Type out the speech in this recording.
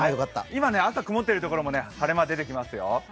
今、朝曇っているところも晴れ間が出てきますよ。